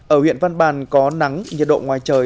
ở huyện văn bàn có nắng nhiệt độ ngoài trời